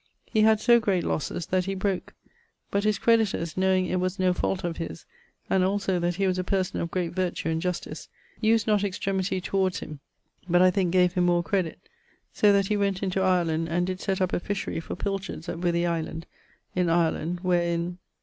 He had so great losses that he broke, but his creditors knowing it was no fault of his, and also that he was a person of great vertue and justice, used not extremity towards him; but I thinke gave him more credit, so that he went into Ireland, and did sett up a fishery for pilchards at Wythy Island, in Ireland, where in